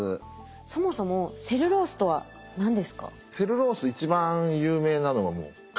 そもそもセルロースとは何ですか？